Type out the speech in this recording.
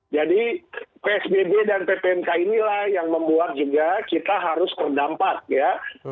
jadi psbb dan ppnk inilah yang membuat juga kita harus terdampak ya